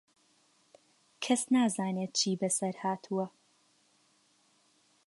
کەس نازانێت چی بەسەر هاتووە.